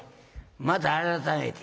また改めて」。